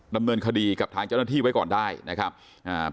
ดำเนินคดีกับทางเจ้าหน้าที่ไว้ก่อนได้นะครับอ่า